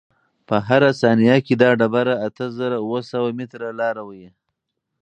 په هره ثانیه کې دا ډبره اته زره اوه سوه متره لاره وهي.